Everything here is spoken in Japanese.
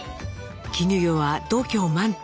絹代は度胸満点。